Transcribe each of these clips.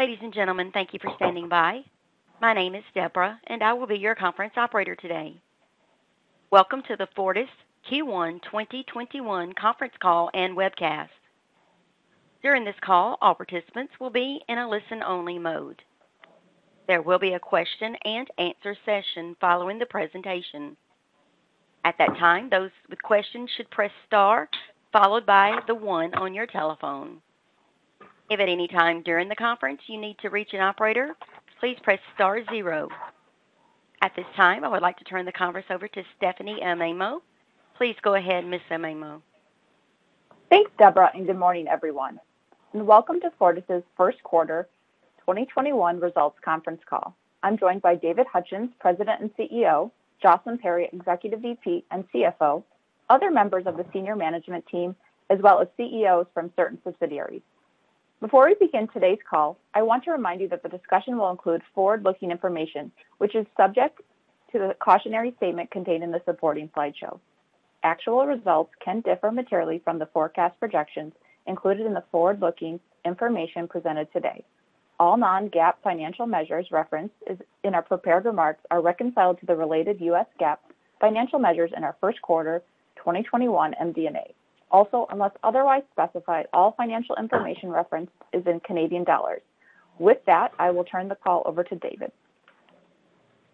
Ladies and gentlemen, thank you for standing by. My name is Deborah, and I will be your conference operator today. Welcome to the Fortis Q1 2021 Conference Call and Webcast. During this call, all participants will be in a listen-only mode. There will be a question-and-answer session following the presentation. At that time, those with questions should press star followed by the one on your telephone. If at any time during the conference you need to reach an operator, please press star zero. At this time, I would like to turn the conference over to Stephanie Amaimo. Please go ahead, Ms. Amaimo. Thanks, Deborah. Good morning, everyone, and welcome to Fortis' First Quarter 2021 Results Conference Call. I'm joined by David Hutchens, President and CEO, Jocelyn Perry, Executive VP and CFO, other members of the senior management team, as well as CEOs from certain subsidiaries. Before we begin today's call, I want to remind you that the discussion will include forward-looking information, which is subject to the cautionary statement contained in the supporting slideshow. Actual results can differ materially from the forecast projections included in the forward-looking information presented today. All non-GAAP financial measures referenced in our prepared remarks are reconciled to the related U.S. GAAP financial measures in our first quarter 2021 MD&A. Unless otherwise specified, all financial information referenced is in Canadian dollar. With that, I will turn the call over to David.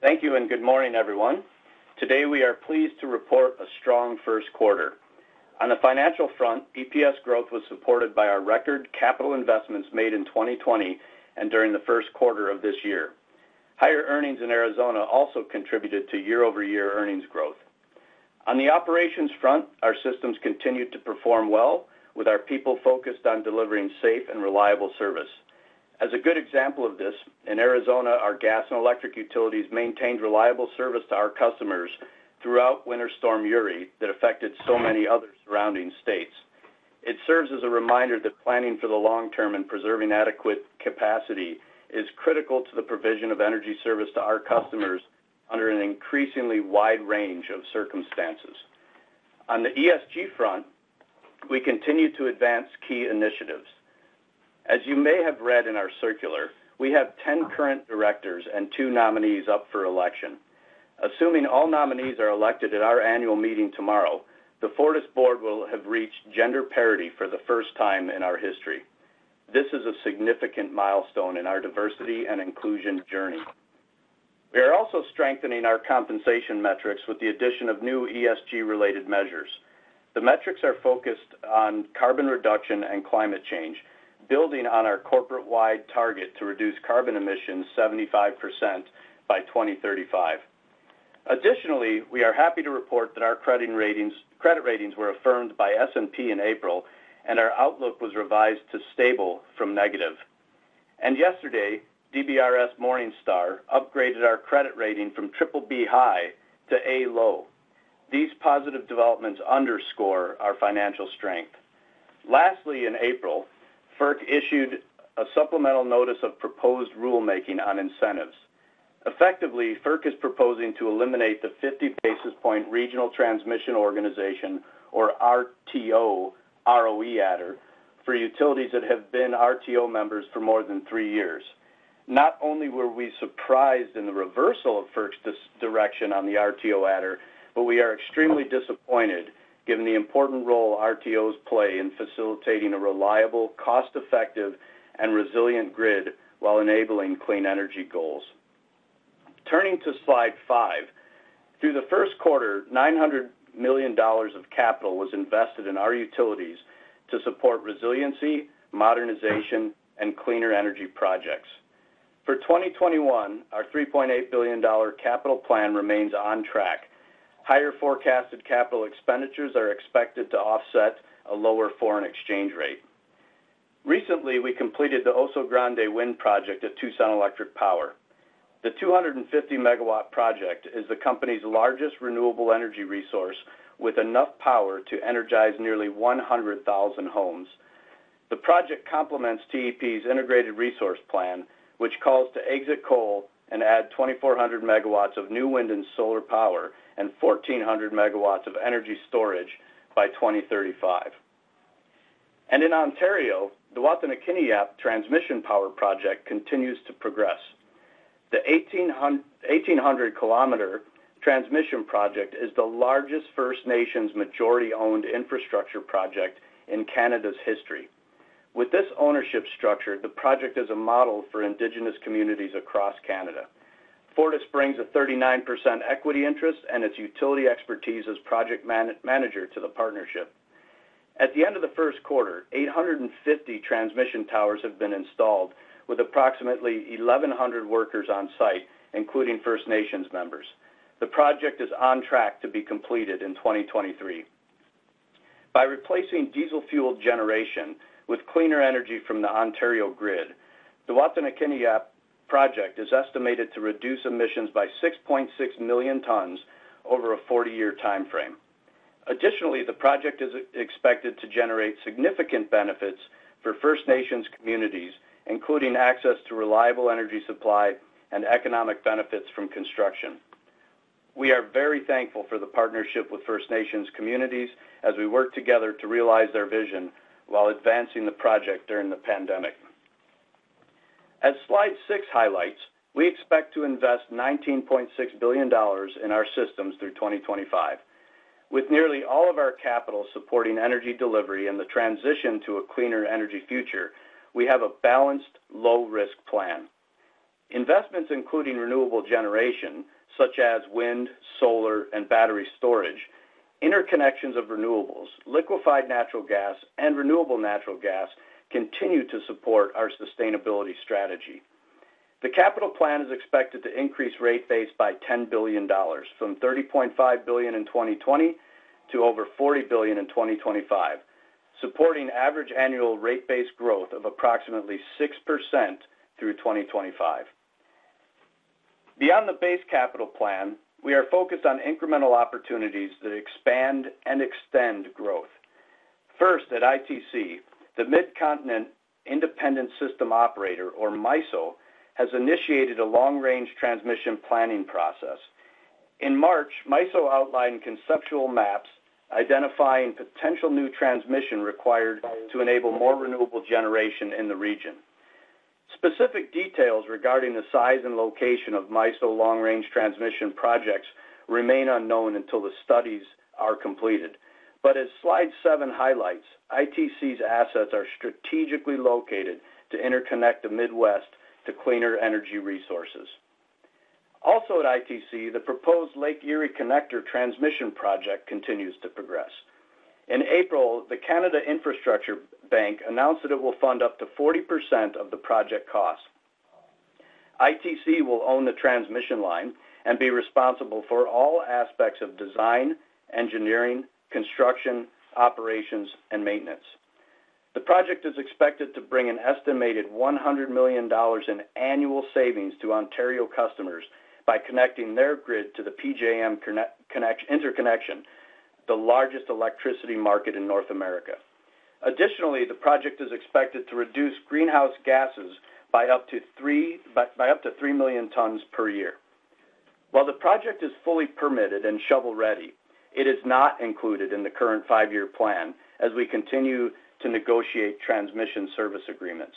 Thank you and good morning, everyone. Today, we are pleased to report a strong first quarter. On the financial front, EPS growth was supported by our record capital investments made in 2020 and during the first quarter of this year. Higher earnings in Arizona also contributed to year-over-year earnings growth. On the operations front, our systems continued to perform well with our people focused on delivering safe and reliable service. As a good example of this, in Arizona, our gas and electric utilities maintained reliable service to our customers throughout Winter Storm Uri that affected so many other surrounding states. It serves as a reminder that planning for the long term and preserving adequate capacity is critical to the provision of energy service to our customers under an increasingly wide range of circumstances. On the ESG front, we continue to advance key initiatives. As you may have read in our circular, we have 10 current directors and two nominees up for election. Assuming all nominees are elected at our annual meeting tomorrow, the Fortis Board will have reached gender parity for the first time in our history. This is a significant milestone in our diversity and inclusion journey. We are also strengthening our compensation metrics with the addition of new ESG-related measures. The metrics are focused on carbon reduction and climate change, building on our corporate-wide target to reduce carbon emissions 75% by 2035. Additionally, we are happy to report that our credit ratings were affirmed by S&P in April, and our outlook was revised to stable from negative. Yesterday, DBRS Morningstar upgraded our credit rating from BBB (high) to A (low). These positive developments underscore our financial strength. Lastly, in April, FERC issued a supplemental notice of proposed rulemaking on incentives. Effectively, FERC is proposing to eliminate the 50 basis point Regional Transmission Organization, or RTO, ROE adder for utilities that have been RTO members for more than three years. Not only were we surprised in the reversal of FERC's direction on the RTO adder, we are extremely disappointed given the important role RTOs play in facilitating a reliable, cost-effective, and resilient grid while enabling clean energy goals. Turning to slide five. Through the first quarter, 900 million dollars of capital was invested in our utilities to support resiliency, modernization, and cleaner energy projects. For 2021, our 3.8 billion dollar capital plan remains on track. Higher forecasted capital expenditures are expected to offset a lower foreign exchange rate. Recently, we completed the Oso Grande Wind Project at Tucson Electric Power. The 250 MW project is the company's largest renewable energy resource, with enough power to energize nearly 100,000 homes. The project complements TEP's integrated resource plan, which calls to exit coal and add 2,400 MW of new wind and solar power and 1,400 MW of energy storage by 2035. In Ontario, the Wataynikaneyap Transmission Project continues to progress. The 1,800 km transmission project is the largest First Nations majority-owned infrastructure project in Canada's history. With this ownership structure, the project is a model for Indigenous communities across Canada. Fortis brings a 39% equity interest and its utility expertise as project manager to the partnership. At the end of the first quarter, 850 transmission towers have been installed, with approximately 1,100 workers on site, including First Nations members. The project is on track to be completed in 2023. By replacing diesel-fueled generation with cleaner energy from the Ontario grid, the Wataynikaneyap project is estimated to reduce emissions by 6.6 million tons over a 40-year time frame. Additionally, the project is expected to generate significant benefits for First Nations communities, including access to reliable energy supply and economic benefits from construction. We are very thankful for the partnership with First Nations communities as we work together to realize their vision while advancing the project during the pandemic. As slide six highlights, we expect to invest 19.6 billion dollars in our systems through 2025. With nearly all of our capital supporting energy delivery and the transition to a cleaner energy future, we have a balanced, low-risk plan. Investments including renewable generation, such as wind, solar, and battery storage, interconnections of renewables, liquefied natural gas, and renewable natural gas continue to support our sustainability strategy. The capital plan is expected to increase rate base by 10 billion dollars, from 30.5 billion in 2020 to over 40 billion in 2025, supporting average annual rate base growth of approximately 6% through 2025. Beyond the base capital plan, we are focused on incremental opportunities that expand and extend growth. First, at ITC, the Midcontinent Independent System Operator, or MISO, has initiated a long-range transmission planning process. In March, MISO outlined conceptual maps identifying potential new transmission required to enable more renewable generation in the region. Specific details regarding the size and location of MISO long-range transmission projects remain unknown until the studies are completed. As slide seven highlights, ITC's assets are strategically located to interconnect the Midwest to cleaner energy resources. Also at ITC, the proposed Lake Erie Connector Transmission project continues to progress. In April, the Canada Infrastructure Bank announced that it will fund up to 40% of the project cost. ITC will own the transmission line and be responsible for all aspects of design, engineering, construction, operations, and maintenance. The project is expected to bring an estimated 100 million dollars in annual savings to Ontario customers by connecting their grid to the PJM Interconnection, the largest electricity market in North America. Additionally, the project is expected to reduce greenhouse gases by up to 3 million tons per year. While the project is fully permitted and shovel-ready, it is not included in the current five-year plan, as we continue to negotiate transmission service agreements.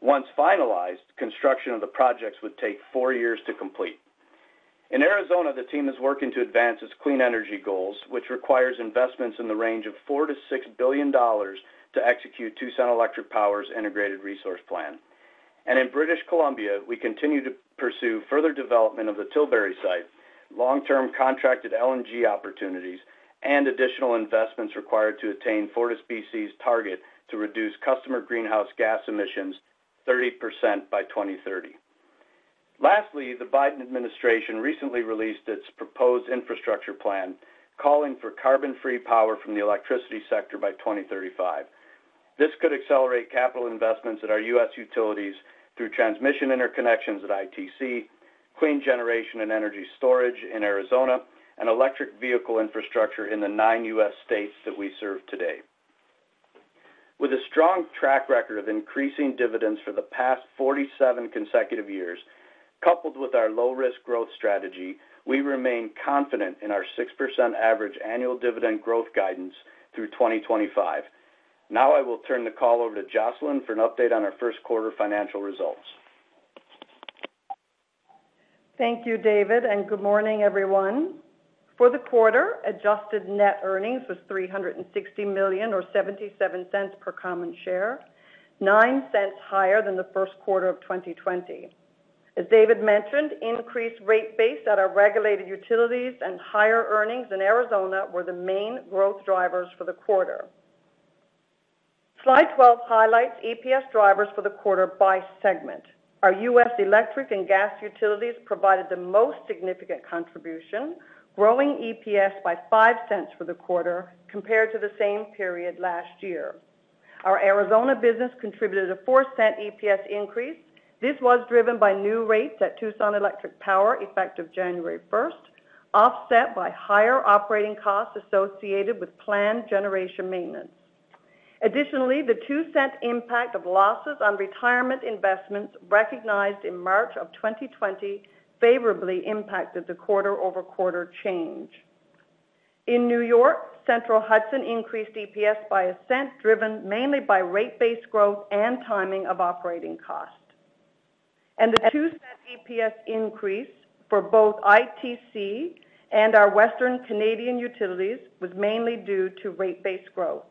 Once finalized, construction of the projects would take four years to complete. In Arizona, the team is working to advance its clean energy goals, which requires investments in the range of 4 billion-6 billion dollars to execute Tucson Electric Power's integrated resource plan. In British Columbia, we continue to pursue further development of the Tilbury site, long-term contracted LNG opportunities, and additional investments required to attain FortisBC's target to reduce customer greenhouse gas emissions 30% by 2030. Lastly, the Biden administration recently released its proposed infrastructure plan, calling for carbon-free power from the electricity sector by 2035. This could accelerate capital investments at our U.S. utilities through transmission interconnections at ITC, clean generation and energy storage in Arizona, and electric vehicle infrastructure in the nine U.S. states that we serve today. With a strong track record of increasing dividends for the past 47 consecutive years, coupled with our low-risk growth strategy, we remain confident in our 6% average annual dividend growth guidance through 2025. I will turn the call over to Jocelyn for an update on our first quarter financial results. Thank you, David, good morning, everyone. For the quarter, adjusted net earnings was 360 million, or 0.77 per common share, 0.09 higher than the first quarter of 2020. As David mentioned, increased rate base at our regulated utilities and higher earnings in Arizona were the main growth drivers for the quarter. Slide 12 highlights EPS drivers for the quarter by segment. Our U.S. electric and gas utilities provided the most significant contribution, growing EPS by 0.05 for the quarter, compared to the same period last year. Our Arizona business contributed a 0.04 EPS increase. This was driven by new rates at Tucson Electric Power effective January 1st, offset by higher operating costs associated with planned generation maintenance. Additionally, the CAD 0.02 impact of losses on retirement investments recognized in March of 2020 favorably impacted the quarter-over-quarter change. In New York, Central Hudson increased EPS by CAD 0.01, driven mainly by rate-based growth and timing of operating costs. The CAD 0.02 EPS increase for both ITC and our Western Canadian utilities was mainly due to rate-based growth.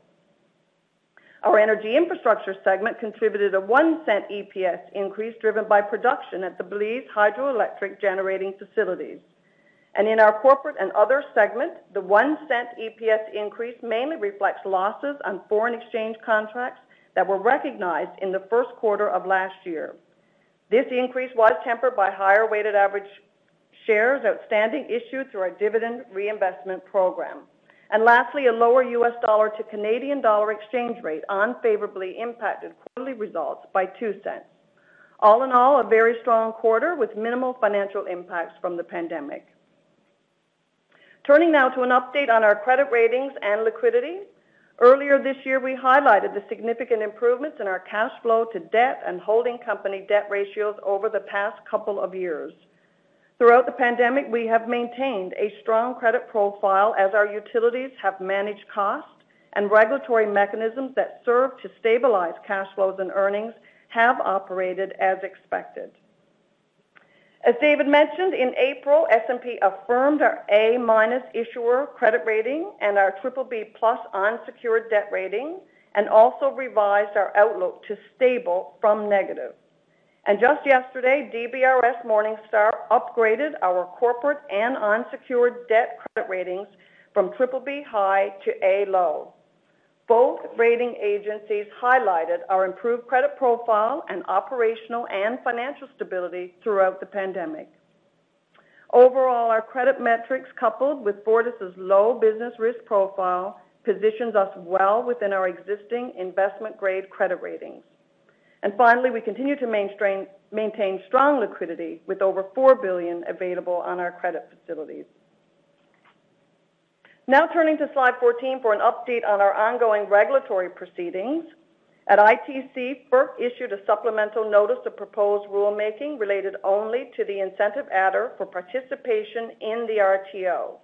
Our energy infrastructure segment contributed a 0.01 EPS increase, driven by production at the Belize hydroelectric generating facilities. In our corporate and other segment, the 0.01 EPS increase mainly reflects losses on foreign exchange contracts that were recognized in the first quarter of last year. This increase was tempered by higher weighted average shares outstanding issued through our dividend reinvestment program. Lastly, a lower U.S. dollar to Canadian dollar exchange rate unfavorably impacted quarterly results by 0.02. All in all, a very strong quarter with minimal financial impacts from the pandemic. Turning now to an update on our credit ratings and liquidity. Earlier this year, we highlighted the significant improvements in our cash flow to debt and holding company debt ratios over the past couple of years. Throughout the pandemic, we have maintained a strong credit profile as our utilities have managed costs, and regulatory mechanisms that serve to stabilize cash flows and earnings have operated as expected. As David mentioned, in April, S&P affirmed our A- issuer credit rating and our BBB+ unsecured debt rating, also revised our outlook to stable from negative. Just yesterday, DBRS Morningstar upgraded our corporate and unsecured debt credit ratings from BBB (high) to A (low). Both rating agencies highlighted our improved credit profile and operational and financial stability throughout the pandemic. Overall, our credit metrics, coupled with Fortis's low business risk profile, positions us well within our existing investment-grade credit ratings. Finally, we continue to maintain strong liquidity, with over 4 billion available on our credit facilities. Turning to slide 14 for an update on our ongoing regulatory proceedings. At ITC, FERC issued a supplemental notice of proposed rulemaking related only to the incentive adder for participation in the RTO.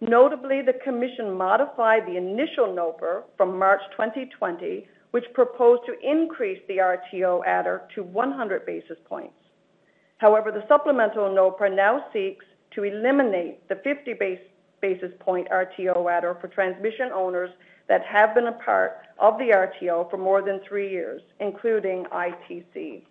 Notably, the commission modified the initial NOPR from March 2020, which proposed to increase the RTO adder to 100 basis points. The supplemental NOPR now seeks to eliminate the 50 basis point RTO adder for transmission owners that have been a part of the RTO for more than three years, including ITC.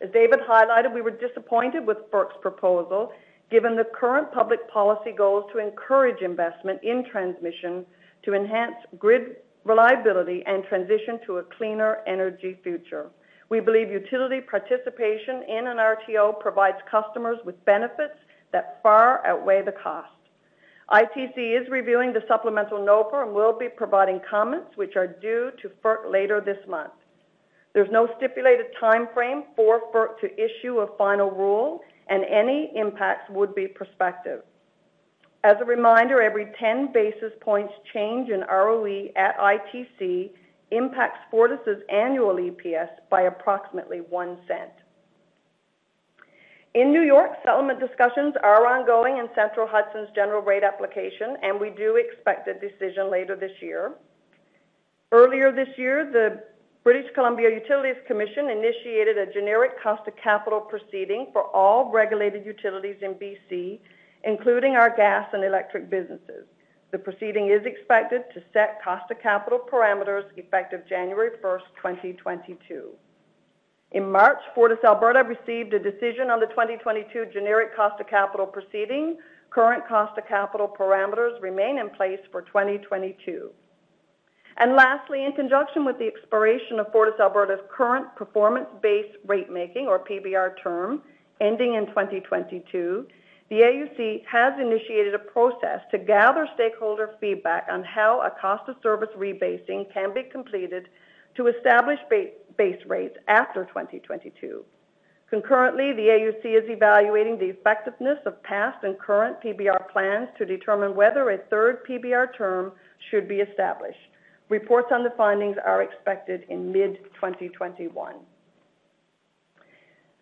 As David highlighted, we were disappointed with FERC's proposal, given the current public policy goal is to encourage investment in transmission to enhance grid reliability and transition to a cleaner energy future. We believe utility participation in an RTO provides customers with benefits that far outweigh the cost. ITC is reviewing the supplemental NOPR and will be providing comments, which are due to FERC later this month. There's no stipulated timeframe for FERC to issue a final rule, and any impacts would be prospective. As a reminder, every 10 basis points change in ROE at ITC impacts Fortis's annual EPS by approximately 0.01. In New York, settlement discussions are ongoing in Central Hudson's general rate application, and we do expect a decision later this year. Earlier this year, the British Columbia Utilities Commission initiated a generic cost of capital proceeding for all regulated utilities in BC, including our gas and electric businesses. The proceeding is expected to set cost of capital parameters effective January 1st, 2022. In March, FortisAlberta received a decision on the 2022 generic cost of capital proceeding. Current cost of capital parameters remain in place for 2022. Lastly, in conjunction with the expiration of FortisAlberta's current performance-based ratemaking, or PBR term, ending in 2022, the AUC has initiated a process to gather stakeholder feedback on how a cost of service rebasing can be completed to establish base rates after 2022. Concurrently, the AUC is evaluating the effectiveness of past and current PBR plans to determine whether a third PBR term should be established. Reports on the findings are expected in mid-2021.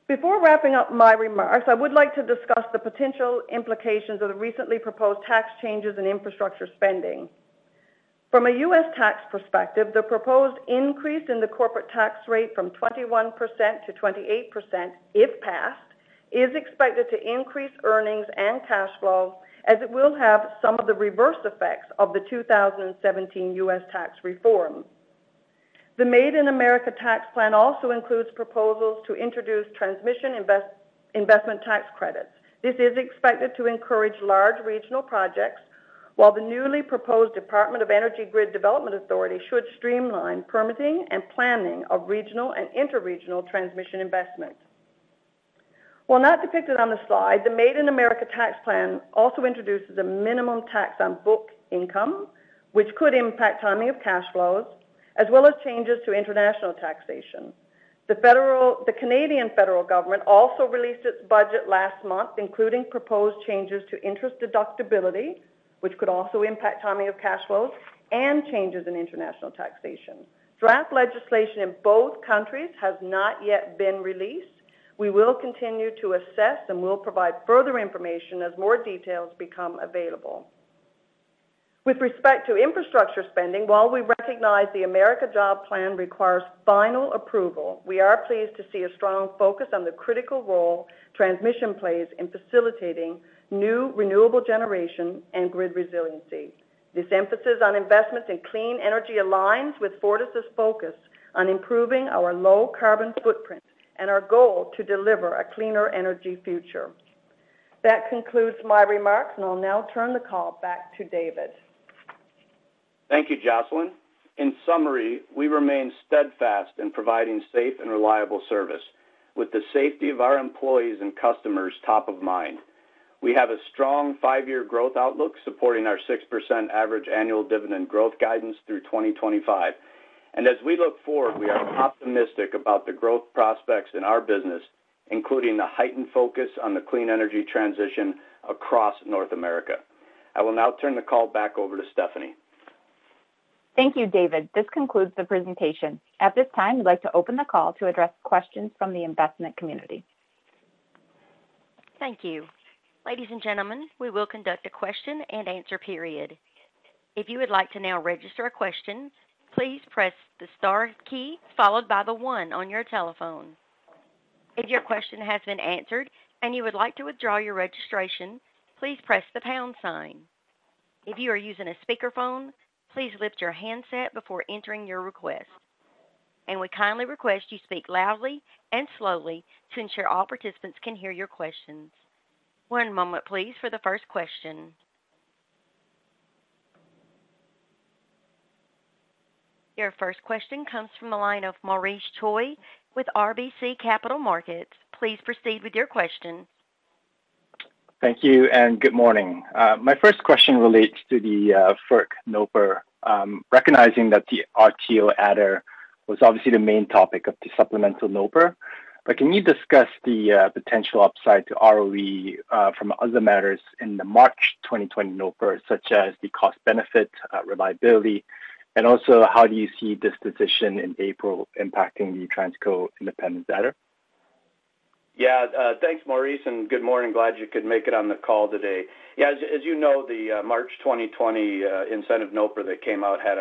Before wrapping up my remarks, I would like to discuss the potential implications of the recently proposed tax changes and infrastructure spending. From a U.S. tax perspective, the proposed increase in the corporate tax rate from 21% to 28%, if passed, is expected to increase earnings and cash flows, as it will have some of the reverse effects of the 2017 U.S. tax reform. The Made in America Tax Plan also includes proposals to introduce transmission investment tax credits. This is expected to encourage large regional projects, while the newly proposed Department of Energy Grid Deployment authority should streamline permitting and planning of regional and interregional transmission investments. While not depicted on the slide, the Made in America Tax Plan also introduces a minimum tax on book income, which could impact timing of cash flows, as well as changes to international taxation. The Canadian federal government also released its budget last month, including proposed changes to interest deductibility, which could also impact timing of cash flows, and changes in international taxation. Draft legislation in both countries has not yet been released. We will continue to assess and will provide further information as more details become available. With respect to infrastructure spending, while we recognize the American Jobs Plan requires final approval, we are pleased to see a strong focus on the critical role transmission plays in facilitating new renewable generation and grid resilience. This emphasis on investments in clean energy aligns with Fortis's focus on improving our low carbon footprint and our goal to deliver a cleaner energy future. That concludes my remarks. I'll now turn the call back to David. Thank you, Jocelyn. In summary, we remain steadfast in providing safe and reliable service, with the safety of our employees and customers top of mind. We have a strong five-year growth outlook supporting our 6% average annual dividend growth guidance through 2025. As we look forward, we are optimistic about the growth prospects in our business, including the heightened focus on the clean energy transition across North America. I will now turn the call back over to Stephanie. Thank you, David. This concludes the presentation. At this time, we'd like to open the call to address questions from the investment community. Thank you. Ladies and gentlemen, we will conduct a question-and-answer period. If you would like to now register a question, please press the star key followed by the one on your telephone. If your question has been answered and you would like to withdraw your registration, please press the pound sign. If you are using a speakerphone, please lift your handset before entering your request. And we kindly request you speak loudly and slowly to ensure all participants can hear your questions. One moment, please, for the first question. Your first question comes from the line of Maurice Choy with RBC Capital Markets. Please proceed with your question. Thank you. Good morning. My first question relates to the FERC NOPR. Recognizing that the RTO adder was obviously the main topic of the supplemental NOPR, can you discuss the potential upside to ROE from other matters in the March 2020 NOPR, such as the cost-benefit reliability? Also, how do you see this decision in April impacting the Transco independence adder? Yeah. Thanks, Maurice, good morning. Glad you could make it on the call today. Yeah, as you know, the March 2020 incentive NOPR that came out had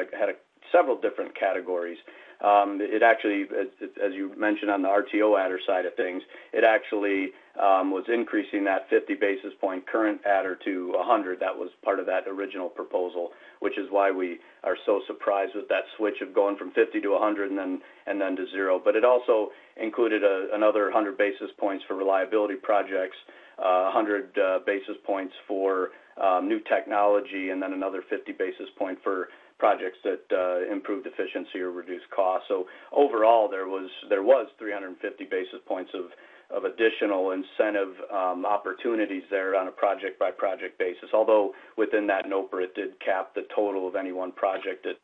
several different categories. As you mentioned, on the RTO adder side of things, it actually was increasing that 50 basis point current adder to 100. That was part of that original proposal, which is why we are so surprised with that switch of going from 50 to 100 and then to zero. It also included another 100 basis points for reliability projects, 100 basis points for new technology, and then another 50 basis point for projects that improved efficiency or reduced costs. Overall, there was 350 basis points of additional incentive opportunities there on a project-by-project basis. Although within that NOPR, it did cap the total of any one project at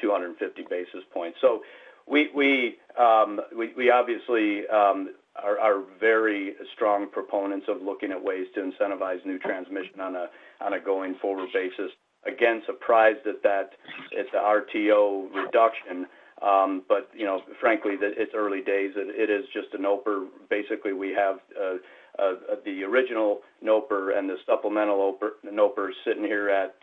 250 basis points. We obviously are very strong proponents of looking at ways to incentivize new transmission on a going-forward basis. Again, surprised at the RTO reduction. Frankly, it's early days, and it is just a NOPR. Basically, we have the original NOPR and this supplemental NOPR sitting here at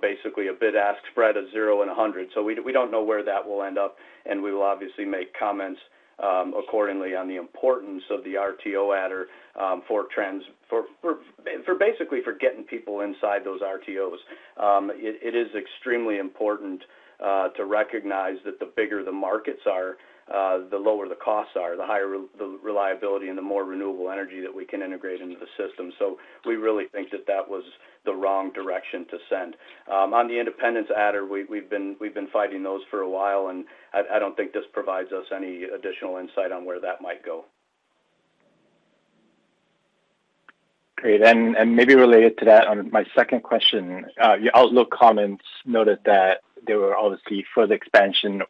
basically a bid-ask spread of zero and 100. We don't know where that will end up, and we will obviously make comments accordingly on the importance of the RTO adder basically for getting people inside those RTOs. It is extremely important to recognize that the bigger the markets are, the lower the costs are, the higher the reliability, and the more renewable energy that we can integrate into the system. We really think that that was the wrong direction to send. On the independence adder, we've been fighting those for a while. I don't think this provides us any additional insight on where that might go. Great. Maybe related to that, my second question. Your outlook comments noted that there were obviously further expansion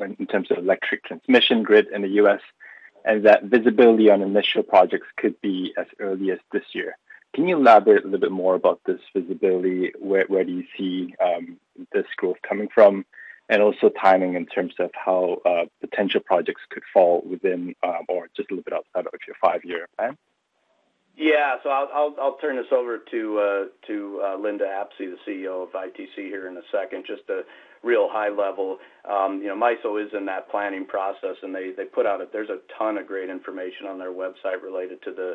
in terms of electric transmission grid in the U.S., and that visibility on initial projects could be as early as this year. Can you elaborate a little bit more about this visibility? Where do you see this growth coming from? Also timing in terms of how potential projects could fall within or just a little bit outside of your five-year plan? Yeah. I'll turn this over to Linda Apsey, the CEO of ITC here in a second. Just a real high level. MISO is in that planning process. There's a ton of great information on their website related to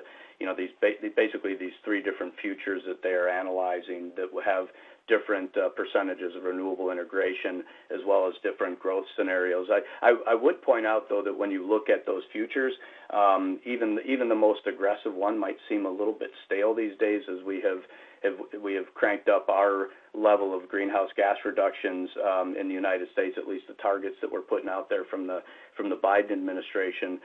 basically these three different futures that they are analyzing that will have different percentage of renewable integration as well as different growth scenarios. I would point out, though, that when you look at those futures, even the most aggressive one might seem a little bit stale these days as we have cranked up our level of greenhouse gas reductions in the United States, at least the targets that we're putting out there from the Biden administration.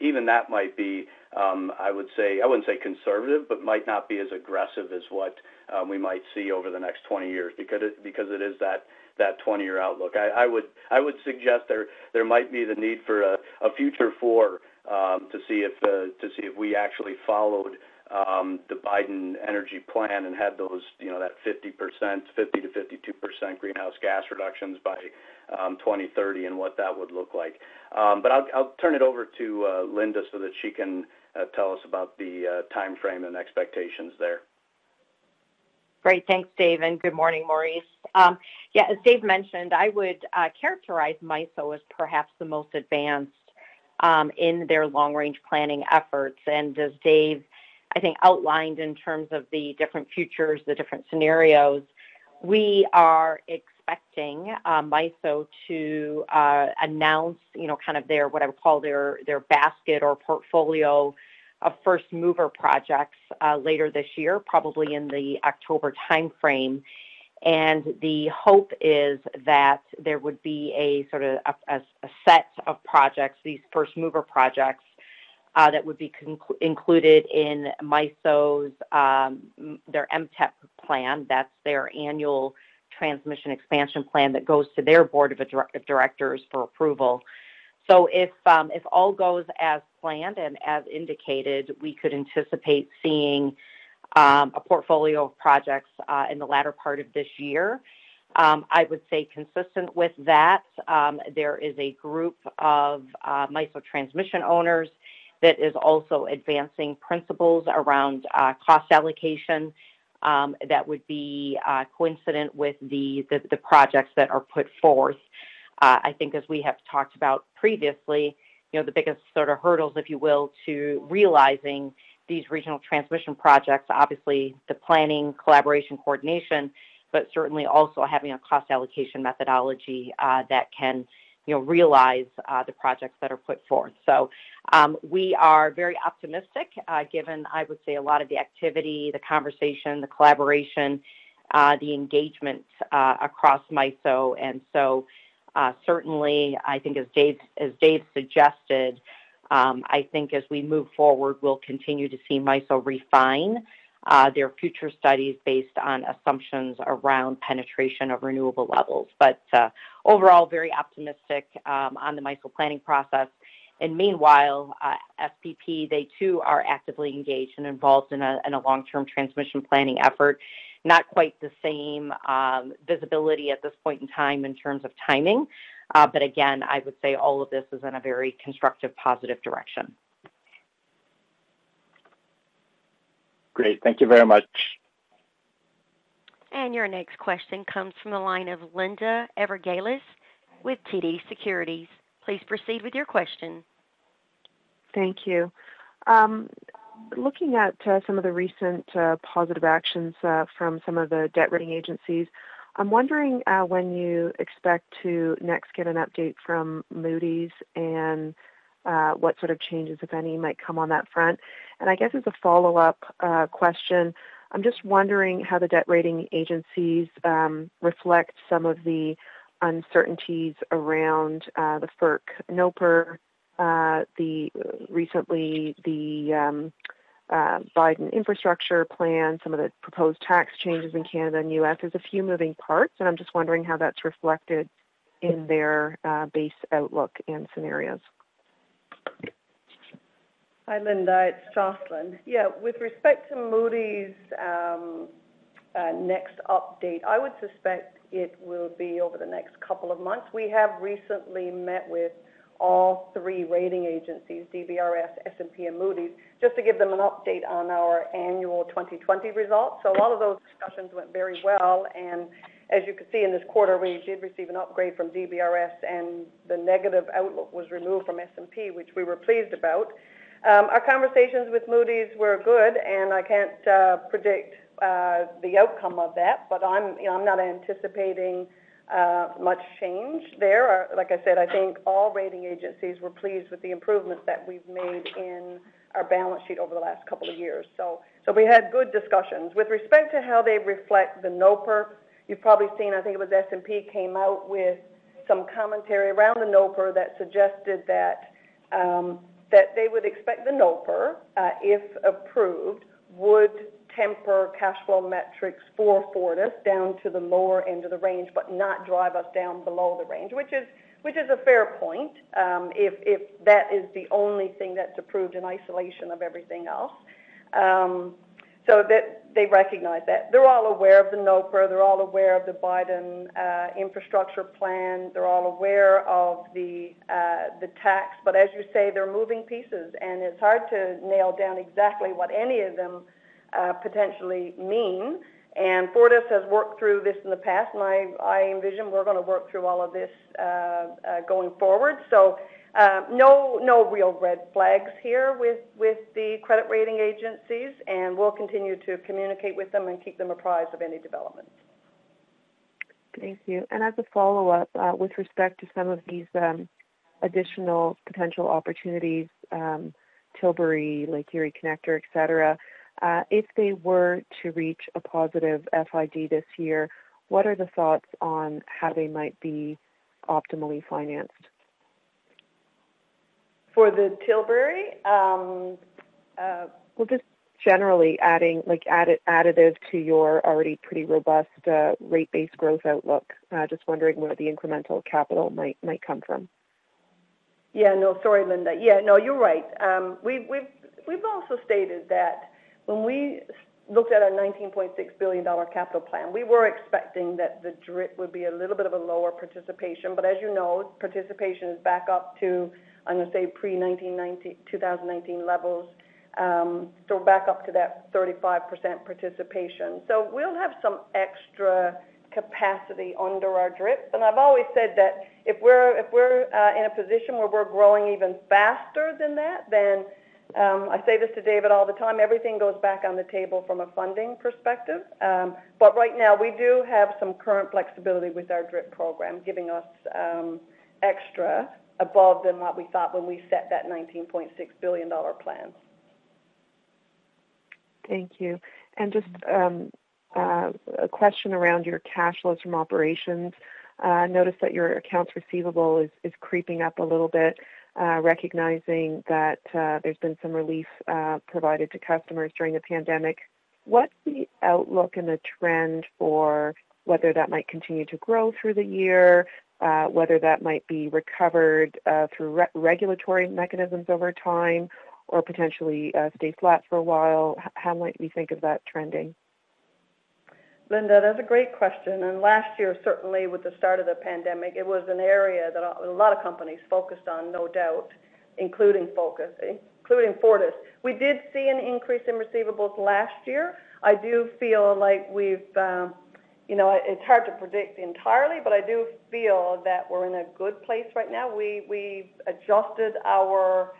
Even that might be, I wouldn't say conservative, but might not be as aggressive as what we might see over the next 20 years because it is that 20-year outlook. I would suggest there might be the need for a future four to see if we actually followed the Biden energy plan and had that 50%-52% greenhouse gas reductions by 2030 and what that would look like. I'll turn it over to Linda so that she can tell us about the timeframe and expectations there. Great. Thanks, Dave, good morning, Maurice. Yeah, as Dave mentioned, I would characterize MISO as perhaps the most advanced in their long-range planning efforts. As Dave, I think, outlined in terms of the different futures, the different scenarios, we are expecting MISO to announce kind of what I would call their basket or portfolio of first-mover projects later this year, probably in the October timeframe. The hope is that there would be a sort of a set of projects, these first-mover projects that would be included in MISO's, their MTEP plan. That's their annual transmission expansion plan that goes to their board of directors for approval. If all goes as planned and as indicated, we could anticipate seeing a portfolio of projects in the latter part of this year. I would say consistent with that, there is a group of MISO transmission owners that is also advancing principles around cost allocation that would be coincident with the projects that are put forth. I think as we have talked about previously, the biggest hurdles, if you will, to realizing these regional transmission projects, obviously the planning, collaboration, coordination, but certainly also having a cost allocation methodology that can realize the projects that are put forth. We are very optimistic, given, I would say, a lot of the activity, the conversation, the collaboration, the engagement across MISO. Certainly, I think as Dave suggested, I think as we move forward, we'll continue to see MISO refine their future studies based on assumptions around penetration of renewable levels. Overall, very optimistic on the MISO planning process. Meanwhile, SPP, they too are actively engaged and involved in a long-term transmission planning effort. Not quite the same visibility at this point in time in terms of timing. Again, I would say all of this is in a very constructive, positive direction. Great. Thank you very much. Your next question comes from the line of Linda Ezergailis with TD Securities. Please proceed with your question. Thank you. Looking at some of the recent positive actions from some of the debt rating agencies, I'm wondering when you expect to next get an update from Moody's and what sort of changes, if any, might come on that front. I guess as a follow-up question, I'm just wondering how the debt rating agencies reflect some of the uncertainties around the FERC NOPR, recently the Biden infrastructure plan, some of the proposed tax changes in Canada and U.S. There's a few moving parts, and I'm just wondering how that's reflected in their base outlook and scenarios. Hi, Linda. It's Jocelyn. With respect to Moody's next update, I would suspect it will be over the next couple of months. We have recently met with all three rating agencies, DBRS, S&P, and Moody's, just to give them an update on our annual 2020 results. All of those discussions went very well, and as you can see in this quarter, we did receive an upgrade from DBRS and the negative outlook was removed from S&P, which we were pleased about. Our conversations with Moody's were good, and I can't predict the outcome of that, but I'm not anticipating much change there. Like I said, I think all rating agencies were pleased with the improvements that we've made in our balance sheet over the last couple of years. We had good discussions. With respect to how they reflect the NOPR, you've probably seen, I think it was S&P came out with some commentary around the NOPR that suggested that they would expect the NOPR, if approved, would temper cash flow metrics for Fortis down to the lower end of the range, but not drive us down below the range. Which is a fair point, if that is the only thing that's approved in isolation of everything else. They recognize that. They're all aware of the NOPR. They're all aware of the Biden infrastructure plan. They're all aware of the tax. As you say, they're moving pieces, and it's hard to nail down exactly what any of them potentially mean. Fortis has worked through this in the past, and I envision we're going to work through all of this going forward. No real red flags here with the credit rating agencies, and we'll continue to communicate with them and keep them apprised of any developments. Thank you. As a follow-up, with respect to some of these additional potential opportunities, Tilbury, Lake Erie Connector, etc., if they were to reach a positive FID this year, what are the thoughts on how they might be optimally financed? For the Tilbury? Well, just generally additive to your already pretty robust rate-based growth outlook. Just wondering where the incremental capital might come from? Yeah. No, sorry, Linda. Yeah. No, you're right. We've also stated that when we looked at our 19.6 billion dollar capital plan, we were expecting that the DRIP would be a little bit of a lower participation. As you know, participation is back up to, I'm going to say, pre-2019 levels. Back up to that 35% participation. We'll have some extra capacity under our DRIP. I've always said that if we're in a position where we're growing even faster than that, then, I say this to David all the time, everything goes back on the table from a funding perspective. Right now, we do have some current flexibility with our DRIP program giving us extra above than what we thought when we set that 19.6 billion dollar plan. Thank you. Just a question around your cash flows from operations. I noticed that your accounts receivable is creeping up a little bit, recognizing that there's been some relief provided to customers during the pandemic. What's the outlook and the trend for whether that might continue to grow through the year, whether that might be recovered through regulatory mechanisms over time, or potentially stay flat for a while? How might we think of that trending? Linda, that's a great question. Last year, certainly with the start of the pandemic, it was an area that a lot of companies focused on, no doubt, including Fortis. We did see an increase in receivables last year. It's hard to predict entirely, but I do feel that we're in a good place right now. We've adjusted our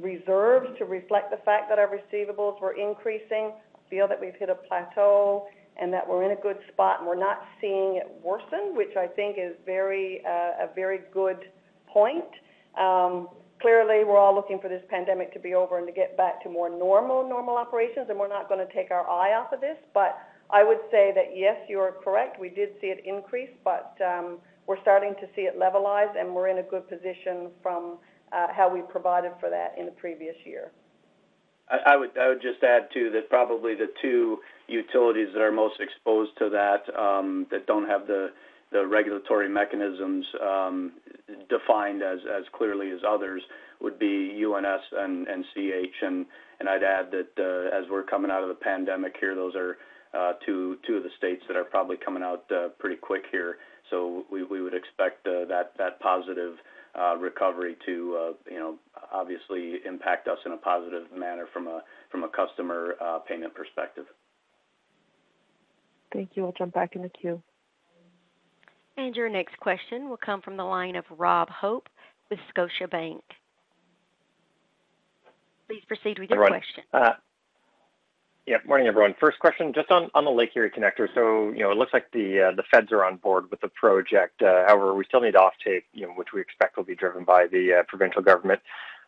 reserves to reflect the fact that our receivables were increasing. I feel that we've hit a plateau, and that we're in a good spot, and we're not seeing it worsen, which I think is a very good point. Clearly, we're all looking for this pandemic to be over and to get back to more normal operations, and we're not going to take our eye off of this. I would say that, yes, you are correct. We did see it increase, but we're starting to see it levelize, and we're in a good position from how we provided for that in the previous year. I would just add, too, probably the two utilities that are most exposed to that don't have the regulatory mechanisms defined as clearly as others, would be UNS and CH. I'd add that as we're coming out of the pandemic here, those are two of the states that are probably coming out pretty quick here. We would expect that positive recovery to obviously impact us in a positive manner from a customer payment perspective. Thank you. I'll jump back in the queue. Your next question will come from the line of Rob Hope with Scotiabank. Please proceed with your question. Yeah. Morning, everyone. First question, just on the Lake Erie Connector. It looks like the feds are on board with the project. However, we still need offtake, which we expect will be driven by the provincial government.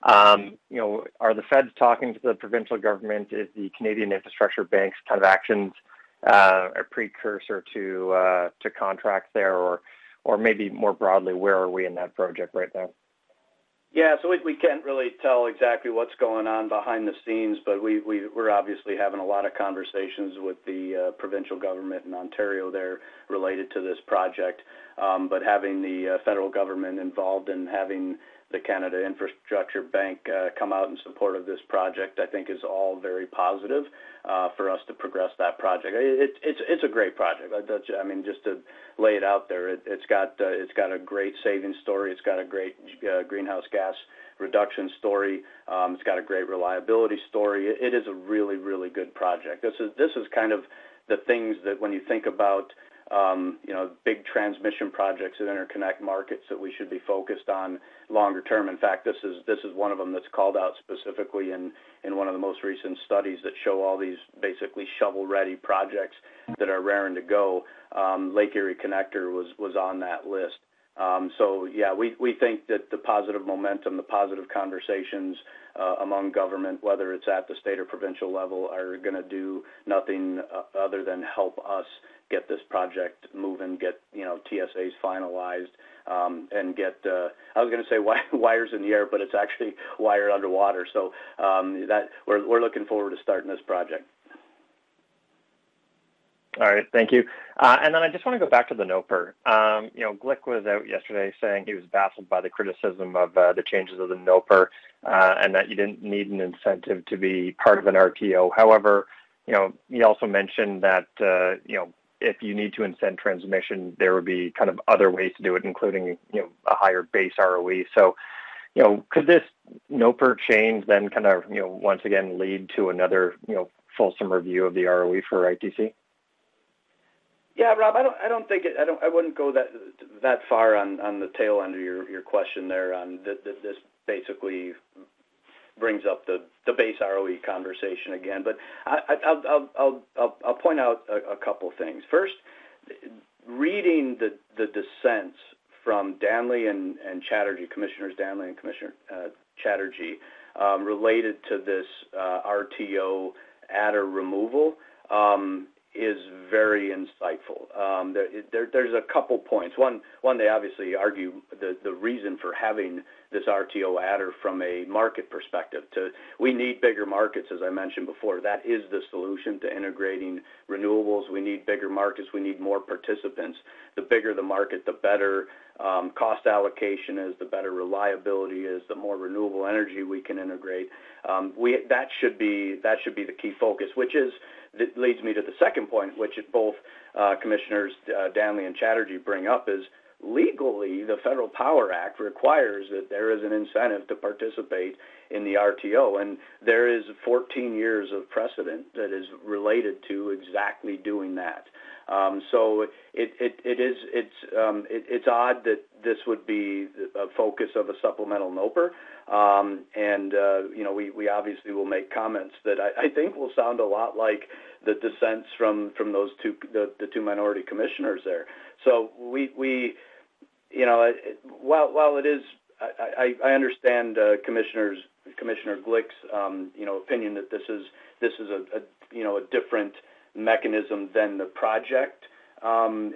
Are the feds talking to the provincial government? Is the Canada Infrastructure Bank's kind of actions a precursor to contracts there? Maybe more broadly, where are we in that project right now? Yeah. We can't really tell exactly what's going on behind the scenes, but we're obviously having a lot of conversations with the provincial government in Ontario there related to this project. Having the Canada Infrastructure Bank come out in support of this project, I think, is all very positive for us to progress that project. It's a great project. Just to lay it out there, it's got a great savings story. It's got a great greenhouse gas reduction story. It's got a great reliability story. It is a really, really good project. This is kind of the things that when you think about big transmission projects that interconnect markets that we should be focused on longer-term. In fact, this is one of them that is called out specifically in one of the most recent studies that show all these basically shovel-ready projects that are raring to go. Lake Erie Connector was on that list. Yeah, we think that the positive momentum, the positive conversations among government, whether it is at the state or provincial level, are going to do nothing other than help us get this project moving, get TSAs finalized. I was going to say wires in the air, but it is actually wire underwater. We are looking forward to starting this project. All right. Thank you. I just want to go back to the NOPR. Glick was out yesterday saying he was baffled by the criticism of the changes of the NOPR, and that you didn't need an incentive to be part of an RTO. However, he also mentioned that if you need to incent transmission, there would be kind of other ways to do it, including a higher base ROE. Could this NOPR change then kind of once again lead to another fulsome review of the ROE for ITC? Yeah, Rob, I wouldn't go that far on the tail end of your question there. This basically brings up the base ROE conversation again. I'll point out a couple of things. First, reading the dissents from Commissioners Danly and Chatterjee related to this RTO adder removal is very insightful. There's a couple points. One, they obviously argue the reason for having this RTO adder from a market perspective. We need bigger markets, as I mentioned before. That is the solution to integrating renewables. We need bigger markets. We need more participants. The bigger the market, the better cost allocation is, the better reliability is, the more renewable energy we can integrate. That should be the key focus. Which leads me to the second point, which is both Commissioners Danly and Chatterjee bring up is, legally, the Federal Power Act requires that there is an incentive to participate in the RTO, and there is 14 years of precedent that is related to exactly doing that. It's odd that this would be a focus of a supplemental NOPR. We obviously will make comments that I think will sound a lot like the dissents from the two minority commissioners there. While I understand Commissioner Glick's opinion that this is a different mechanism than the project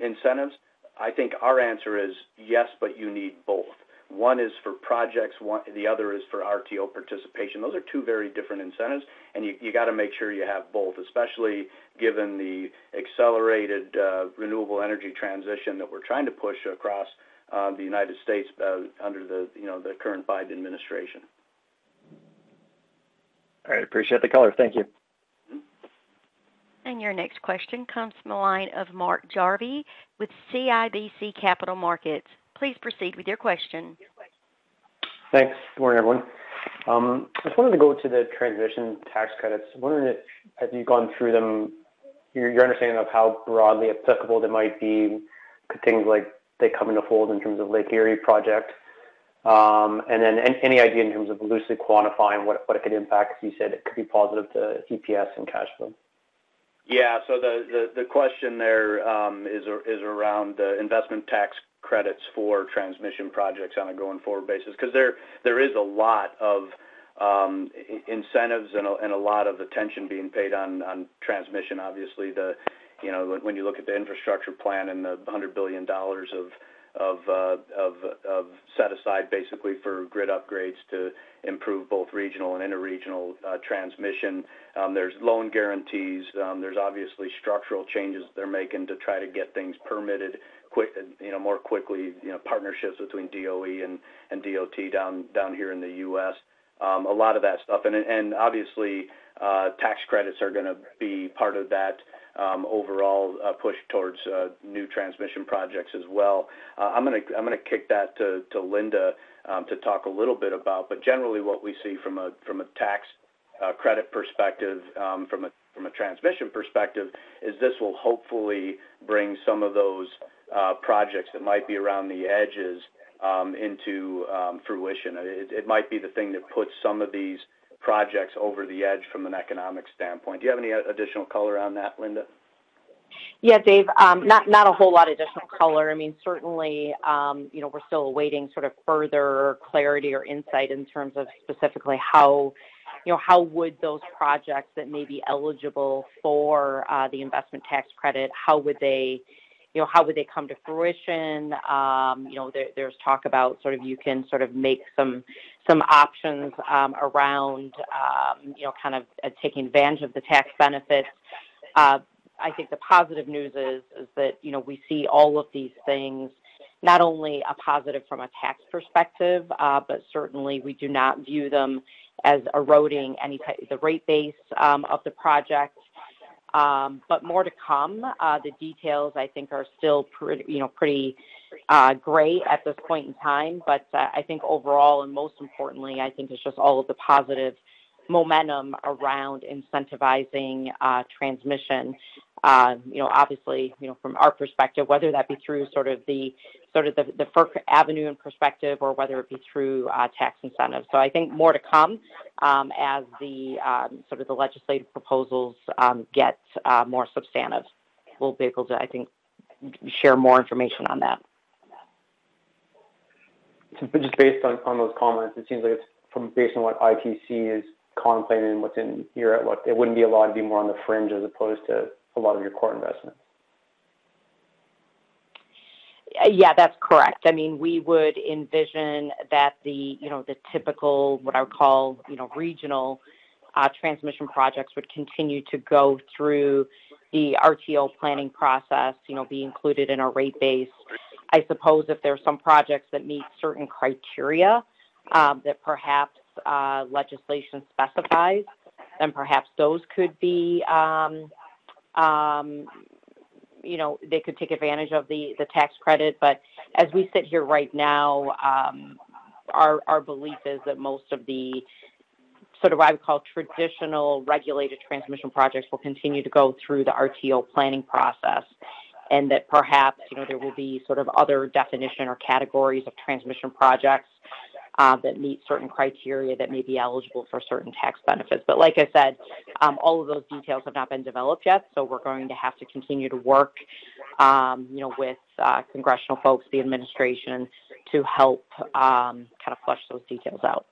incentives, I think our answer is yes, but you need both. One is for projects, the other is for RTO participation. Those are two very different incentives, and you got to make sure you have both, especially given the accelerated renewable energy transition that we're trying to push across the United States under the current Biden administration. All right. Appreciate the color. Thank you. Your next question comes from the line of Mark Jarvi with CIBC Capital Markets. Please proceed with your question. Thanks. Good morning, everyone. I just wanted to go to the transmission tax credits. I was wondering if, as you've gone through them, your understanding of how broadly applicable they might be to things like they come into fold in terms of Lake Erie Connector. Then any idea in terms of loosely quantifying what it could impact, because you said it could be positive to EPS and cash flow. Yeah. The question there is around investment tax credits for transmission projects on a going forward basis. There is a lot of incentives and a lot of attention being paid on transmission. Obviously, when you look at the infrastructure plan and the 100 billion dollars of set aside basically for grid upgrades to improve both regional and interregional transmission. There's loan guarantees. There's obviously structural changes they're making to try to get things permitted more quickly, partnerships between DOE and DOT down here in the U.S. A lot of that stuff. Obviously, tax credits are going to be part of that overall push towards new transmission projects as well. I'm going to kick that to Linda to talk a little bit about. Generally, what we see from a tax credit perspective, from a transmission perspective is this will hopefully bring some of those projects that might be around the edges into fruition. It might be the thing that puts some of these projects over the edge from an economic standpoint. Do you have any additional color on that, Linda? Yeah, Dave, not a whole lot additional color. Certainly, we're still awaiting sort of further clarity or insight in terms of specifically how would those projects that may be eligible for the investment tax credit, how would they come to fruition? There's talk about you can sort of make some options around taking advantage of the tax benefits. I think the positive news is that we see all of these things, not only a positive from a tax perspective, but certainly we do not view them as eroding the rate base of the project. More to come. The details, I think, are still pretty gray at this point in time. I think overall, and most importantly, I think it's just all of the positive momentum around incentivizing transmission. Obviously, from our perspective, whether that be through sort of the FERC avenue and perspective or whether it be through tax incentives. I think more to come as the legislative proposals get more substantive. We'll be able to, I think, share more information on that. Just based on those comments, it seems like it's based on what ITC is contemplating and what's in your outlook, it wouldn't be a lot, it'd be more on the fringe as opposed to a lot of your core investments. Yeah, that's correct. We would envision that the typical, what I would call regional transmission projects would continue to go through the RTO planning process, be included in a rate base. I suppose if there are some projects that meet certain criteria that perhaps legislation specifies, then perhaps those could take advantage of the tax credit. As we sit here right now, our belief is that most of the, sort of what I would call traditional regulated transmission projects will continue to go through the RTO planning process, and that perhaps there will be sort of other definition or categories of transmission projects that meet certain criteria that may be eligible for certain tax benefits. Like I said, all of those details have not been developed yet, so we're going to have to continue to work with congressional folks, the administration, to help kind of flesh those details out.